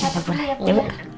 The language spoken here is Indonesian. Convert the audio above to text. ya boleh ya bu